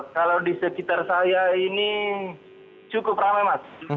kalau di sekitar saya ini cukup ramai mas